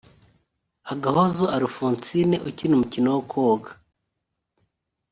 Agahozo Alphonsine ukina umukino wo koga